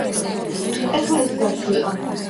ყაენ ქულუგ-ყაენის ვაჟი.